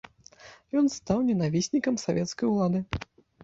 Ён стаў ненавіснікам савецкай улады.